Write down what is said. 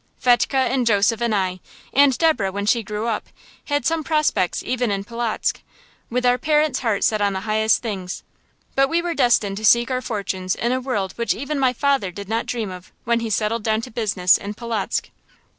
Fetchke and Joseph and I, and Deborah, when she grew up, had some prospects even in Polotzk, with our parents' hearts set on the highest things; but we were destined to seek our fortunes in a world which even my father did not dream of when he settled down to business in Polotzk.